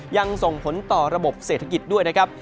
ยังส่งผลต่อระบบเศรษฐกิจด้วยนะครับ